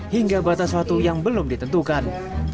hingga batas waktu yang belum ditentukan